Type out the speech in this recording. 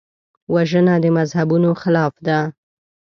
وژنه د مذهبونو خلاف ده